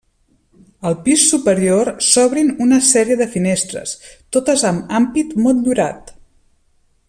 Al pis superior s’obrin una sèrie de finestres, totes amb ampit motllurat.